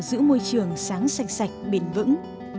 giữ môi trường sáng sạch sạch bền vững